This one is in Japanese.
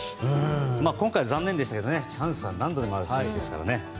今回は残念でしたがチャンスは何度でもありますからね。